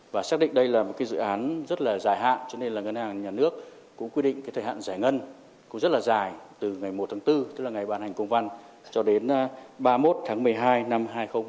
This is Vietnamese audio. và xác định đây là một dự án rất là dài hạn cho nên là ngân hàng nhà nước cũng quy định cái thời hạn giải ngân cũng rất là dài từ ngày một tháng bốn tức là ngày ban hành công văn cho đến ba mươi một tháng một mươi hai năm hai nghìn hai mươi bốn